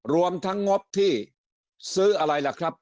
รวมทั้งงบที่ซื้ออะไรล่ะครับ